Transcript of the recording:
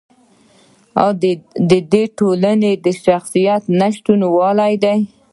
دا د ټولنې د شخصیت نشتوالی دی.